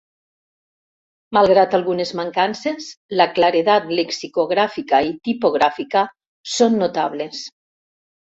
Malgrat algunes mancances, la claredat lexicogràfica i tipogràfica són notables.